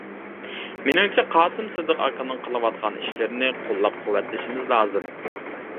مېنىڭچە قاسىم سىدىق ئاكىنىڭ قىلىۋاتقان ئىشلىرىنى قوللاپ-قۇۋۋەتلىشىمىز لازىم.